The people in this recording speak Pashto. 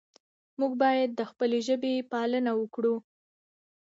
موږ باید د خپلې ژبې پالنه وکړو.